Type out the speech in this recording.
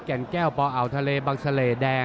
แก่นแก้วปอ่าวทะเล